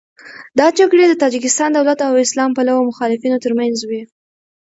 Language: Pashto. دا جګړې د تاجکستان دولت او اسلام پلوه مخالفینو تر منځ وې.